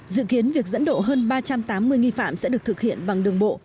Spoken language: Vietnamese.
dự kiến việc dẫn độ hơn ba trăm tám mươi nghi phạm sẽ được thực hiện bằng đường bộ